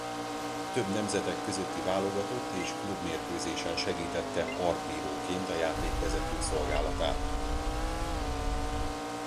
Több nemzetek közötti válogatott és klubmérkőzésen segítette partbíróként a játékvezető szolgálatát.